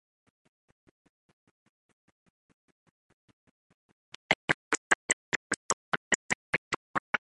Ettinger resides in Jerusalem and is married to Ora.